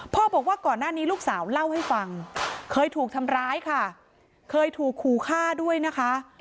บอกว่าก่อนหน้านี้ลูกสาวเล่าให้ฟังเคยถูกทำร้ายค่ะเคยถูกขู่ฆ่าด้วยนะคะ